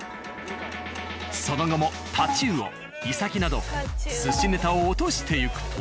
その後もタチウオイサキなど寿司ネタを落としていくと。